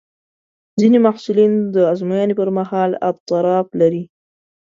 ځینې محصلین د ازموینې پر مهال اضطراب لري.